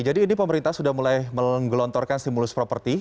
jadi ini pemerintah sudah mulai menggelontorkan stimulus properti